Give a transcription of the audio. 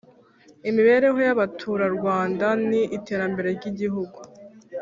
imibereho y abaturarwanda n iterambere ry igihugu